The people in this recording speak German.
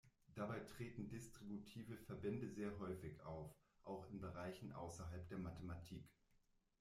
Dabei treten distributive Verbände sehr häufig auf, auch in Bereichen außerhalb der Mathematik.